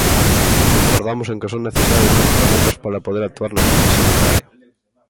Concordamos en que son necesarias máis ferramentas para poder actuar na crise sanitaria.